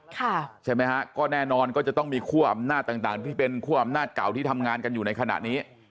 ใช่ไหมฮะก็แน่นอนก็จะต้องมีคั่วอำนาจต่างต่างที่เป็นคั่วอำนาจเก่าที่ทำงานกันอยู่ในขณะนี้